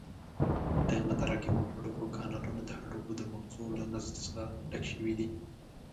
د متراکمو هډوکو کانالونه د هډوکو د مغزو له نسج څخه ډک شوي دي.